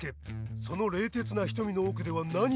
その冷徹な瞳の奥では何を思うのか。